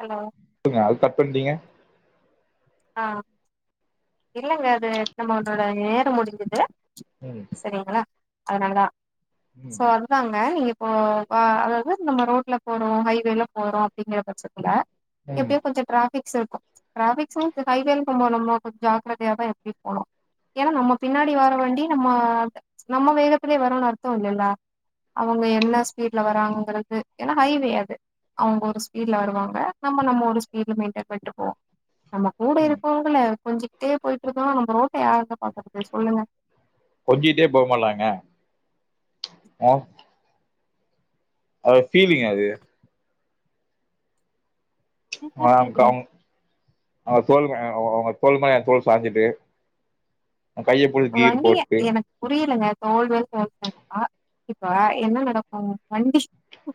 Hello துங்க அது cut பண்டீங்க ஆ இல்லங்க அது நம்மளோட நேரம் முடிஞ்சது ம் சரிங்களா அதுனாலதா ம் சோ அது தாங்க நீங்க இப்போ வ அதாவது நம்ம ரோட்ல போறோ ஹைவேல போறோ அப்டிங்கிற பட்சத்துல ம் எப்டியோ கொஞ்சோ ட்ராபிக்ஸ் இருக்கு ட்ராபிக்ஸூ து ஹைவேனு போம்போது நம்மோ கொஞ் ஜாக்ரதையாதா எப்பயு போணூ ஏனா நம்ம பின்னாடி வார வண்டி நம்ம நம்ம வேகத்துலயே வரூன் அர்த்தோ இல்லைல அவங்க என்னா ஸ்பீட்ல வராங்குறது ஏனா ஹைவே அது அவங்க ஒரு ஸ்பீட்ல வருவாங்க நம்ம நம்ம ஒரு ஸ்பீட்ல மெயின்டென் பண்ட்டு போவோ நம்ம கூட ம் இருக்கொவங்கள கொஞ்சிகிட்டே போயிட்ருக்கோ நம்ம ரோட்ட யார்தா பாக்குறது சொல்லுங்க கொஞ்சிகிட்டே போமாலாங்க ஆ அதொரு ஃபீலுங்க அது ஹாப்பி ஆம் இல்ல கௌ அவ தோல்மே அவவங்க தோள் மேல தோள் சாஞ்சிட்டு அ கையைப்புடுச் ஒரு கீர் வண்டி போட்டு எனக்கு புரியலங்க தோள்மேல் தூள் சாஞ்சா இப்ப என்ன நடக்கு வண்டி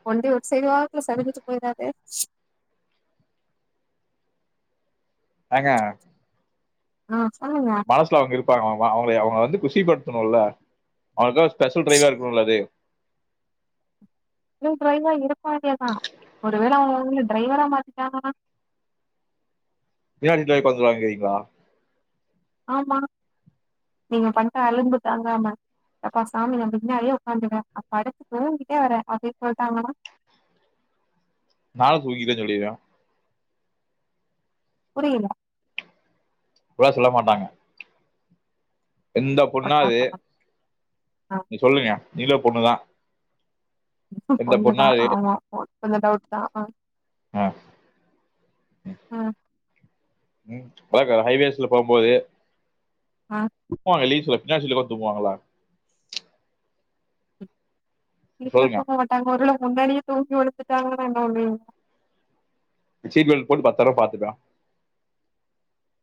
கொண்டு ஒரு சைடு வாக்ல சரிஞ்சிட்டு போயிராது ஏங்க ஆ சொல்லுங்க மனசுல அவங்க இருப்பாங்க அவ்ள் தா அவங்கள வ அவங்கள வந்து குஷிப்படுத்தணுல அவங்க்கா ஸ்பெஷல் டிரைவ்வா இருக்கணுல அது ஸ்பெஷல் ட்ரைவ்வா இருக்க வேண்டிய தா ஒரு வேல அவங்க உங்கள டிரைவரா மாத்திட்டாங்கனா ஏன் [unintelligible] வந்து வங்குவீங்ளா ஆமா நீங்க பண்ற அலும்பு தாங்காம யப்பா சாமி நா பின்னாடியே உக்காந்துக்குற அப் படுத்து தூங்கிட்டே வரே அப்டி சொல்ட்டாங்கன்னா நானு தூங்கிட்டே போய்டுவ புரியல அப்பில்லா சொல்ல மாட்டாங்க எந்த ஒடனே பொண்ணாது சொன்னாங்க நீ சொல்லுங்க நீங்ளே பொண்ணுதா எந்த பொண்ணா பொண்னுதா அது ஆமா ஆ கொஞ்சோ டவுட் தா ஆ ம் ம் பேக்க ஹைவேஸ்ல போம்போது ஆ புஸ்சா வெளிய செல்ல புள்யார் சுழி போட்டு போவாங்ளா வீட்ல சொல்லுங்க தூங்க மாட்டாங்க ஒருவேள முன்னாடியே தூங்கி விழுந்துட்டாங்ன்னா என்ன பண்ணுவீங்க சீட் பெல்ட் போட்டு பத்தட பாத்துப்ப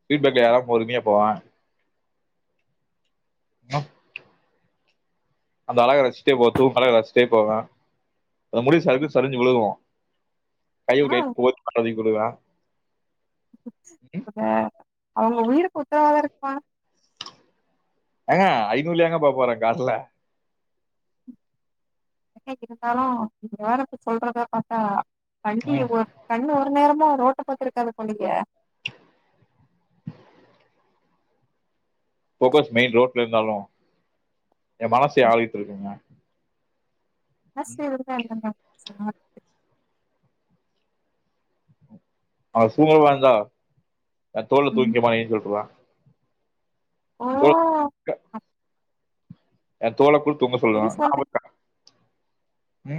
சீட்பெல்ட் யார பொருமையா போவா ம் அந்த அழக ரஷ்ட்டே போவ் தூங் அழக ரஷ்ட்டே போவ அது முடி சறுக்கி சரிஞ்சு விழுகு கை ஆ [unintelligible] அ அவங்க உயிர்க்கு உத்தரவாதாம் இருக்குமா ஏங்க ஐநூறுலயாங்க போப்போற கார்ல என்னைக் இருந்தாலும் இது வேற சொல்றத பாத்தா வண்டி ம் ஒரு கண்ணு ஒரு நேரமா ரோட்ட பாத்துருக்காது போலயே ஃபோக்கஸ் மெயின் ரோட்ல இருந்தாலும் என் மனச யார்க்கிட்ட இருக்குங்க மனசு [inaudible] அவ தூங்கறதா இருந்தா என் தோள்ல ம் தூய்ங்க்க மாயின் சொல்ருவ ஓ என் தோள்ல கூட தூங்க சொல்வ சரி நா [unintelligible]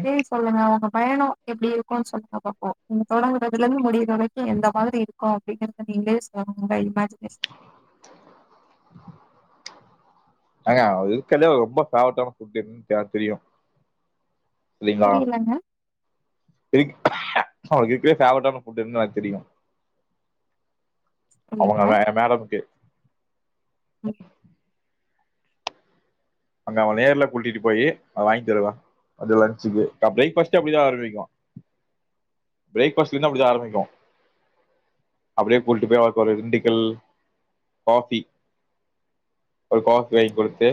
வெரி நைஸ் சொல்லுங்க உங்க பயணம் எப்டி இருக்கும் சொல்லுங்க பாப்போ நீங்க தொடங்குறதுல இருந்து முடியிற வரைக்கு எந்த மாரி இருக் கோ அப்டிங்கறத நீங்ளே சொல்லுங்க உங்க இம்மாஜினேஷன் ஏங்க இதுக்கல்யே ரொம்ப ஃபேவரட்டான ஃபுட் எதுனு எனக் தெரியும் இல்லீங்ளா புரியலங்க இரு அவுங்களுக்கே ஃபேவரட்டான ஃபுட் எதுன் இன்னா தெரியும் அவுங்க தா அந் மேடம்க்கு ம் அங்க அவங் நேர்ல கூட்டிட்டு போயி அத வாங்கி தருவ அப்டியே லன்சுக்கு பிரேக் ஃபாஸ்ட்டே அப்டிதா ஆரம்பிக்கு பிரேக் ஃபாஸ்ட்டு இன்னு அப்டிதா ஆரம்பிக்கு அப்டியே போய்ட்டு போய் அவள்க் ஒரு இண்டிக்கல் காஃபி ஒரு காஃபி வாய்ங் குடுத்து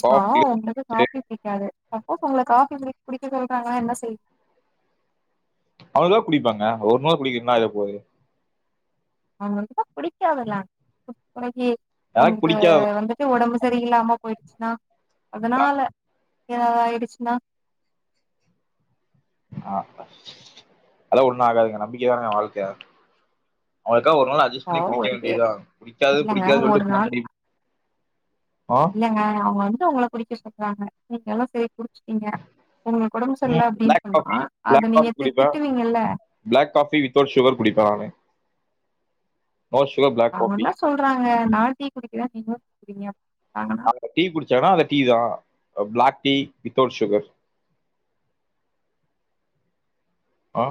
இப்போ உங்களுக்கு காஃபி பிடிக்காது சப்போஸ் உங்கள காஃபி குடிக்க சொல்றாங்கன்னா என்ன செய் அவ்ள்தா குடிப்பாங்க ஒருநாள் குடிக்கறதுல இன்னா ஆக போகுது அவனுக்குதா புடிக்காதுல்ல பெறகு எனக்கு அவனுக்கு பிடிக்காத வந்துட்டு ஒடம்பு சரிங்கலா அம்மா பொய்டுச்சுனா அதனால எதாவ்து ஆயிடுச்சுனா ஆமாப்பா அதல்லா ஒண்ணு ஆகாதுங்க நம்பிக்க தாங்க வாழ்க்க அவுங்களுக்கா ஒரு நாள் அட்ஜஸ் ஆ பண்ணி குடிக்க ஒரு பேர் வேண்டியதா புடிக்காது இல்லங்க புடிக்காது ஒரு சொல்ட்டு நாள் போ ங்க அவுங்க வந்துட்டு உங்கள குடிக்க சொல்றாங்க நீங்கலு சரி கு நீங்க உங்களுக்கு ஒடம்பு சரில்ல அப்டினு பிளாக் சொன்னா காஃபி பிளாக் அத காஃபி நீங்க குடிப்பேன் திட்டுவீங்கல்ல பிளாக் காஃபி வித்தவுட் சுகர் குடிப்பே நானு நோ சுகர் பிளாக் அவங்க காஃபி என்ன சொல்றாங்க நா டீ குடிக்கிரே நீங்களு டி குடிங்க டீ குடிச்சான்னா அந்த டீ தா பிளாக் டீ வித்தவுட் சுகர் ஆ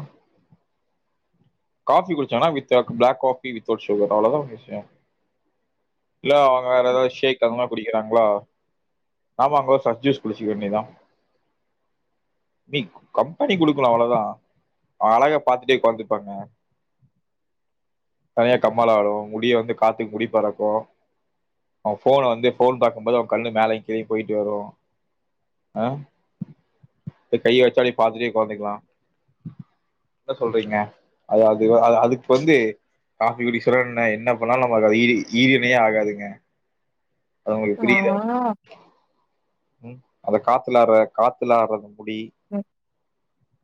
காஃபி குடிச்சேன்னா with black coffee without sugar அவ்ளதா விஷயோ இல்ல அவுங்க வேர எதாவ்து ஷேக் அந்த மாரி குடிக்கிறாங்களா ஆமா ப்ரோ சஸ்ஜூஸ் குடிச்சிக்க வேண்டியதா நீ கம்பெனி குடுக்கலா அவ்ளோதா அழக பாத்துட்டே உக்காந்துருப்பாங்களா தனியா கம்மாலா ஆடு முடிய வந்து காத்துக்கு முடி பறக்கு அவ ஃபோன வந்து ஃபோன் பாக்கும் போது அவ கண்ணு மேலயு கீழயு போய்ட்டு வரு அ கைய வச்சாலே பாதிலே கவனிக்லா என்ன சொல்றீங்க அது அது அதுக்கு வந்து காபி குடி சொல்ல என்ன என்ன பண்ணாலு நம்ம அது ஈடு ஈரினையே ஆகாதுங்க அது உங்களுக்கு புரியுதா ம் அத காத்துல ஆடுற காத்துல ஆடுற முடி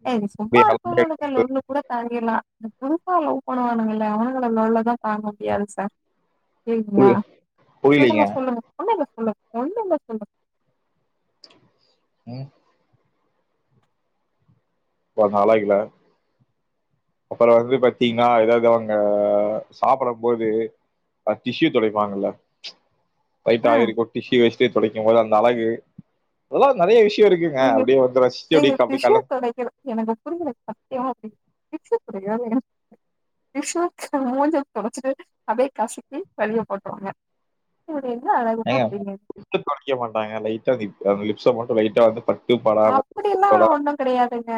ஏ நீ சும்மா இரு போனேனோ அப்படியே லொல்லு கூட தாங்கிடலா புதுசா லவ்வு பண்ணவானுங்கல்ல அவனுங்க லொல்ல தா தாங்க முடியாது சார் சரிங்ளா புரி புரியலீங்க சொல்லுங்க சொல்லுங்க ஒண்ணுல்ல சொல்லுங்க ஒண்ணுல்ல சொல்லுங்க ம் ப நாலாகில அப்புறோ வந்து பத்தீங்ன்னா எதாவ்து அவுங்க சாப்பிடும் போது அ டிஷ்யூ தொடைப்பாங்கல்ல டைட்டா ஆ ஆயிருக்கு டிசியூ வச்சிட்டே துடைக்கும்போது அந்த அழகு அதெல்லா நிறையோ விஷயோ இருக்குங்க நீங்க அப்டியே வந்து ரசிச்சு அப்டி நீங்க அப்டி டிஷ்யூ கல தொடைக்கணு எனக்கு புரிஞ்சதுக்கு சத்தியமா அப்ப [unintelligible] விஷ்ணுக்கு மூஞ்சிய தொடச்சிட்டு அதே கசக்கி தரைல போட்ருவாங்க சேரி என்ன அழக பாப்பீங்க க்க பாக்கவே மாட்டே லைட்டா அந்த லிப்ஸ மட்டு லைட்டா வந்து படாம தொட்டு அப்டில்லா தொடாம ஒண்ணு கிடையாதுங்க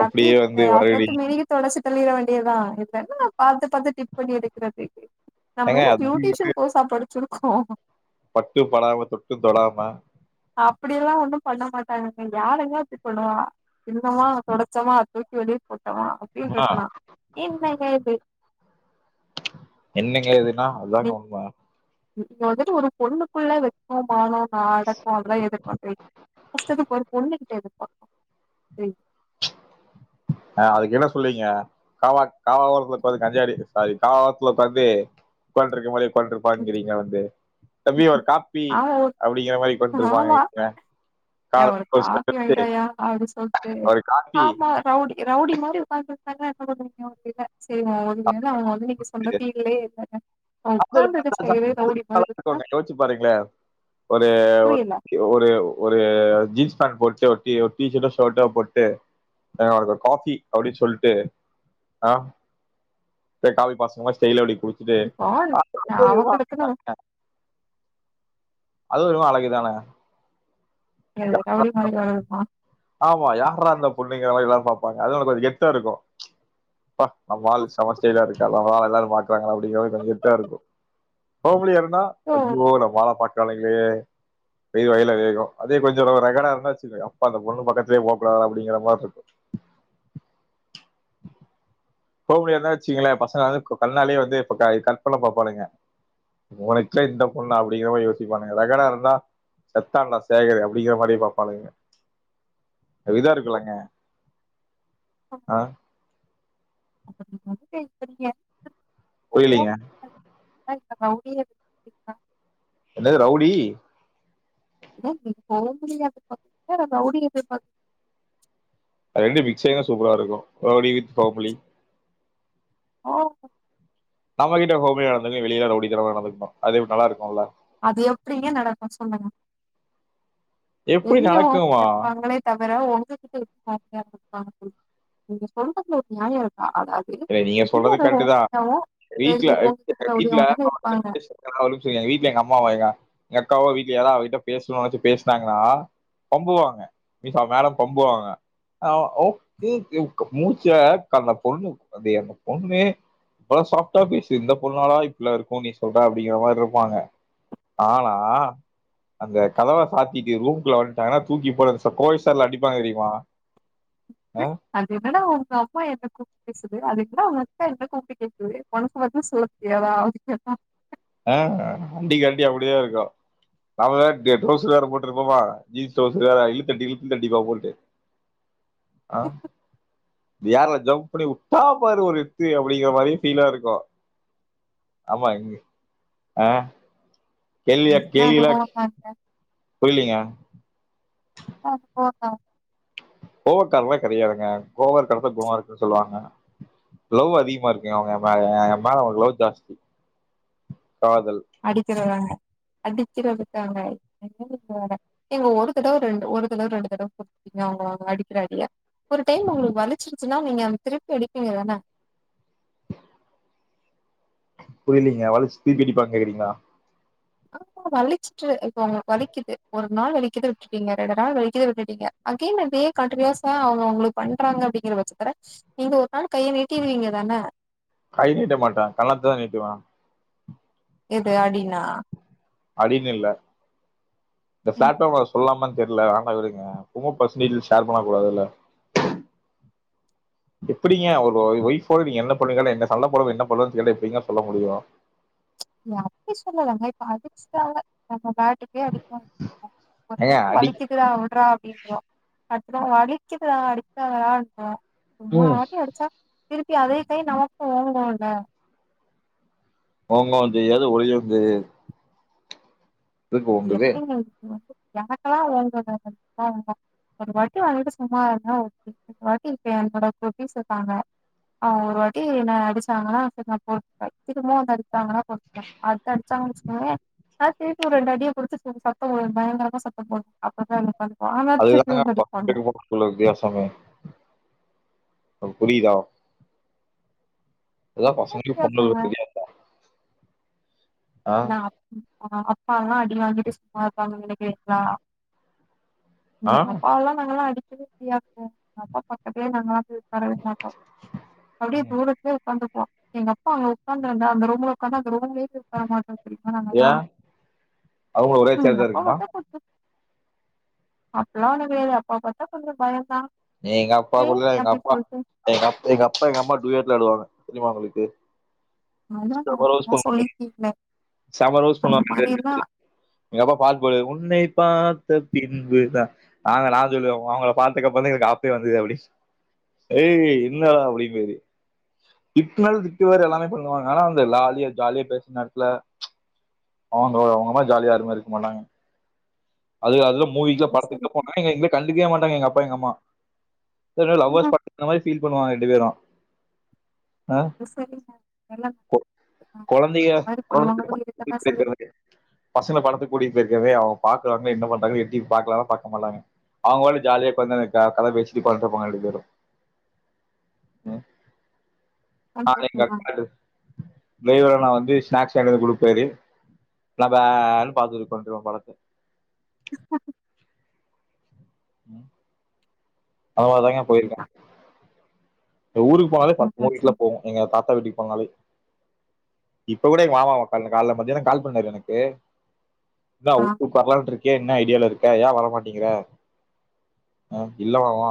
அப்டி அப்படியே வந்து வருடி அசத்து மேரி தொலச்சி தேட வேண்டியதா இதுல என்னங்க பாத்து பாத்து டிப் பண்ணி எடுக்கிறதுக்கு நம்ம ஏங்க என்ன அது பியூட்டிஷியன் கோர்சா படிச்சிருக்கோ பட்டு படாம தொட்டு தொடம அப்டில்லா ஒண்ணு பண்ண மாட்டாங்கங்க தோழி யாருங்க அப்டி பண்ணுவா தின்னமா தொடச்சமா தூக்கி வெளிய போட்டமா அப்டின்னு இருக்கனு என்னங்க இது என்னங்க இதுன்னா நீ அதாங்க உண்ம வந்துட்டு ஒரு பொண்ணுக்குள்ள வெக்கோ மானோ நடக்கு அதெல்லா எதிர்பாக்கவே ஃபர்ஸ்ட் அத ஒரு பொண்ணுகிட்ட எதிர்பாக்கு ஆ அதுக்கு என்ன சொல்வீங்க காவா காவா ஓரத்துல ‌உக்காந்து கஞ்சா அடி சாரி காவா ஓரத்துல ‌உக்காந்து ‌உக்கான்டு இரூக்கிறமாரி உக்காண்டிருப்பாங்கிறீங்க வந்து தம்பி ஒரு காப்பி ஆமா அப்படிங்கிற மாரி உக்காண்டுருப்பாங்க ஆமா ஏ ஒரு காபி வாங்கிட்டு வாயா அப்படின் சொல்லிட்டு ஒரு காப்பி சாம்பார் ரவுடி ரவுடி மாரி உங்காந்திருக்காங்க ‌எப்ப தா குடிப்பாங்க தெரியல சரி ஓ அவுங்க ‌என்ன ‌அவுங்க வந்து நீங்க மிஸ் பண்ணனோ பீரீயடோ இல்ல [inaudible] இருக்குன்னா யோச்சு பாருங்களே ஒரு புரியல ஒரு ஒரு ஜீன்ஸ் பேண்ட் போட்டு ஒரு ஒரு டீஷர்டோ ஷர்ட்டோ போட்டு எனக்கு ஒரு காபி அப்படின்னு சொல்லிட்டு ஆ போய் காஃபி மாஸ்டர் மாரி ஸடைல்லா அப்பிடி குடிச்சிட்டு இப்போ அவங்களுக்குன்னு [unintelligible] அது ஒரு அழகு தானே ஏ என்ன கவூனிக் மாரி வரூமா ஆமா யார்ரா அந்த புள்ளிங்கோ மாரி அநதமாரி தா பாப்பாங்க அது கொஞ்சொ கெர்த்தா இருக்கோ அப்பா நம்ம ஆளு செம ஸ்டைலா இருக்கான் அதனால எல்லாரும் பாக் கிறாங்களா அப்படி கொஞ்சோ கெர்த்தா இருக்கூ ஓம் லியா இருந்தா சோ ஐயோ நம்ம ஆள பாக் ‌இருக்கானுங்களோ டெலி வரைகூ கோகூ அதே கொஞ்சொ ரெகர்டா இருந்தாச்சுகோ அப்ப அந்த பொண்ண பக்கத்துல போவ் கூடாது அப்படிங்கர மாதிரி இருக்கோ போவ் முடியாத்துன்னு வச்சுங்ளோ பசங்க அங்க வந்து கண்ணாலே வந்து இப்ப க கரொக்ட் பண்ண பாப்பாங்க உனக் ச்சோ இந்த பொண்ணா அப்படிங்கிற மேரி யோசிப்பாங்க ரக்கர்ட்டா இருந்தா செத்தான்டா சேகரூ அப்படிங்க மாதிரி பாப்பானுங்க அப்டிதா இருக்கில்லங்க ஆ [unintelligible] புரீலீங்க [unintelligible] நீங்க டிப் பா என்னது ரவுடீ [unintelligible] ரவுடி [unintelligible] அது ரெண்டுயூ மிக்சாயிருந்தா சூப்பரா இருந்திரூக்கூ ரவ்டீ வித் ஹோம்லி ஆ நம்ம கிட்ட ஹோமிலியா நடந்துக்க வெளியில ரவுடி தனமா நடந்துக்னோ அது எப் நல்லாருக்குமுல்ல அது எப்டிங்க நடக்கூ சொல்லுங்க எப்படி பெரியவங் நடக்குமா? கேப்பாங்களே தவர உங்ககிட்ட [unintelligible] நீங்க சொல்றதுல ஒரு நியாயம் இருக்கா இல்ல நீங்க பெரிய சொல்றது கரட்டுதா ஹோமியாவு வீட்ல வெளி உங்ககிட்ட [unintelligible] வீட்டுல ரவுடியாவுந்தான இருப்பாங்க பேசு நானூ ஒரூ விஷயோ வீட்ல எ அம்மாவு எங்க கெக்காவு வீட்டுல யாராவத் அவ கிட்ட பேசணூ பேசினாங்கன்னா பம்புவாங்க இப்ப மேடம் பம்பு வாங்க ஆப் ஏப் க மூச்ச கா அந்த பொண்ணு அது ஏ பொண்ணு அவ்ளோ சாஃப்டா பேசுது இந்த பொண்ணாட இப்பல்ல இருக்கூ நீ சொல்ற அப்டிங்க மாரி இருப்பாங்க ஆனா அந்த கதவ சாத்திட்டு ரூம் குள்ள வந்ட்டாங்கன்னா தூக்கி போட்டு கோவைசர்ளா அடிப்பாங்க தெரியுமா ஆ அது என்னடா உங்க அம்மா என்ன கூப்டு பேசுது அது என்னா ஊ அத்த என்ன கூப்டு கேக்குது உனக்கு வந்து சோ எவளாவது கேப்பா ஆ காமெடி கேட்டியே அப்டி தா இருக்கூ நாம வேற ட்ரௌஸ் வேற போட்டுருப்போமா ஜீன்ஸ் ட்ரௌஸ் வேற இழுத்தடி இ தடிப்பா போட்டு ஆ ஏர்ல ஜம்ப் பண்ணி வுட்டா பாரு ஒரு எத்து அப்டிங்கிற மாரியே ஃபீலா இருக்கூ ஆமா இங்க அ எல்லா அனுபவொ தாங்க புரிலிங்க ஆ போட்டா கோவக்காரல்லா கெடையாதுங்க கோவருக்கற எடத்த குணொ இருக்குன்னு சொல்லுவாங்க லவ் அதிகமா இருக்குங்க அவுங்க எ மேல அவுங்க லவ் ஜாஸ்தி காதல் அடிக்கிறதாங்க அடிக்கறதுக்காங்க என்ன வேற ஏங்க ஒரு தடவ ரெண்டு ஒரு தடவ ரெண்டு தடவ [unintelligible] அவுங்க அவுங்க அடிக்கிற அடிய ஒரு டைம் உங்களுக்கு வலிச்சிருச்சுன்னா நீங்க அந்த திருப்பி அடிப்பீங்க தான புரியலீங்க வழிச்சு திருப்பியடிப்பான் கேங்குறீங்களா ஆமா வலிச்சிட்டு இப்போ அவுங்க வலிக்குது ஒரு நாள் வலிக்குது விட்டுட்டீங்க ரெண்டு நாள் வலிக்குது விட்டுட்டீங்க அகேன் அப்டியே கண்டியூஸ்ஸா அவுங்க உங்களுக்கு பண்றாங்க அப்டிங்கிற பட்சத்தல நீங்க ஒரு நாள் கைய நீட்டிரிவிங்க தான கை நீட்ட மாட்ட கண்ணத்த தா நீட்டுவ எது அடின்னா அடின்னு இல்ல இந்த ஃபிளாட்ட ம சொல்லாமான் தெர்ல வேணா விடுங்க அ எப்பொமே பரஸ்னல் டீட்டெல்ஸ் ஷேர் பண்ண கூடாதுல்ல எப்பிடீங்க ஒரு ஒய்ஃப் ஓட நீங்க என்ன பண்ணுவீங்க சண்ட போடாம நீங்க என்ன பண்ணுவீங்கனு கேட்டா எப்டீங்க சொல்ல முடியு நா அப்டி சொல்லலங்க இப்ப அடிச்டாங்க நம்ம பாட்டு [inaudible] ஒரு ஏங்க டைம் அடி வலிக்குது உடுறா விட்றா அப்டின்னுவோ அடுத்ததட வலிக்குதுடா அடிக்காதடா ன்னுவோ மூணாவ்து ம் வாட்டி அடிச்சா திருப்பி அதே கை நமக்கூ ஓங்கூல்ல ஓங்கவு செய்யாது ஒளியவு செய்யாது இருக்கு உங்குது [unintelligible] எனக்கெல்லா ஓங்குங்க [unintelligible] ஒரு வாட்டி வாங்கிட்டு சும்மா இருந்தா ஒரு வாட்டி இருப்ப என்னோட குட்டீஸ் இருக்காங்க அவ்ங்க ஒரு வாட்டி என்ன அடிச்சாங்கன்னா சரி நா பொருத்துப்ப திரும்ப வந்து அடிச்சாங்கன்னா பொருத்துப்ப அ து அடிச்சாங்கன் வச்சிகோய நா திருப்பி ரெண்டு அடிய குடுத்துட்டு சத்தம் போ பயங்கரமா சத்தம் போடுவ அப்பதா [unintelligible] திருப்பி அதுதாங்க வந்து பையனுக்கூ அடிப்பாங்க பொண்ணுங்களுக்கூ உள்ள வித்தியாசமே இப்ப புரியிதா அதா என்ன பசங்களுக்கு வித்தியாசங்க பொண்ணுங்களுக்கூ வித்தியாசோ ஆ நா அப் அப்பால்லா அடி வாங்கிட்டு சும்மா இருக்காங்கனு நெனக்றீங்ளா எங்க ஆ அப்பாவல்லா நாங்கல்லா அடிச்சதே கெடயாதுங்க எங்க அப்பா பக்கத்தே நாங்கல்லா போய் உக்காரவே மாட்டோ அப்டியே தூரத்லே உக்காந்துப்போ எங்க அப்பா அங்க உக்காந்துருந்தா அந்த ரூம்ல உக்காந்தா அந்த ரூம்லே [unintelligible] [unintelligible] ஏன் அவங்களும் ஒரே சேர்தா இருக்குமா அப்பில்லா ஒன்னு கெடயாது அப்பாவ பாத்தா கொஞ்சொ பயந்தா எங்க அப்பா கூடதா எங்க அப்பா எங்க அப் எங்கப்பா எங்கம்மா டுயட்லா ஆடுவாங்க தெரிமா உங்களுக்கு அதா நார்மலா சொல்லிர்க்கிங்களே செம் ரவுஸ் பண்ணுவாங்க [unintelligible] எங்கப்பா பாட் பாடுவாரு உன்னை பார்த்த பின்புதா நாங்க நா சொல்லுவே ஒ அவுங்கள பாத்தத்துக்கப்றதா எங்களுக்கு ஆப்பே வந்தது அப்டி ஏய் இன்னா அப்டிங்குது இட்னாலு திட்டு வேறு எல்லாமே பண்ணுவாங்க ஆனா அந்த லாலியா ஜாலியா பேசுற் நேர்த்துல அவங்க அவுங்கமாரி ஜாலியா யாருமே இருக்க மாட்டாங்க அது அதுல மூவிக்லா படத்துக்கிட்ட சரிங்க போனாங் நீங்க இன்வை கண்டுக்கவே மாட்டாங்க எங்க அப்பா எங்க அம்மா இதுலே லவ்வர்ஸ் பட்த் இந்த மாரி ஃபீல் பண்ணுவாங்க ரெண்டு பேரு அ சரிங்க கொழந்தைங்க அவ ஒன்ன பத்தி எது பீக் பேக்க்ர் [unintelligible] பசங்க படத்துக் கூட்டிட் பேயிர்க்கவே அவுங்க பாக்குறாங்க என்ன பண்றாங்க எப்டி பாக்லானா பாக்க மாட்டாங்க அவுங்களு ஜாலியா ஒக்காந்து கத பேசிட்டி உக்காந்துட்ருப்பாங்க ரெண்டு பேரு ம் நாளைக்கு சந்தோஷம் தான். [unintelligible] மேரி வழங்குனா வந்து ஸ்நேக்ஸ் ஏங்கிட் வந்து குடுப்பாரு நா பேன் பாத்துட்டு ஒக்காந்துட்ர்ப்ப படத்த அதுனால தாங்கே போயிருக்க சரிதான். எங்க ஊருக் போனாலே பத் நல்லா மூவீஸ்லா சொன்னீங்க. போவோ எங்க தாத்தா வீட்டுக் போனாலே இப்ப கூட எங்க மாமாவ கால்ல கால்ல மத்யான கால் பண்ணாரு எனக்கு தா ஆ, உ உ வரலான்ட்ருக்கியா என்ன ஐடியால இருக்க ஏ வர மாட்டீங்கிற அ இல்ல மாமா